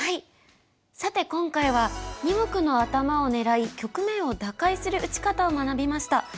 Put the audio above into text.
さて今回は二目の頭を狙い局面を打開する打ち方を学びました。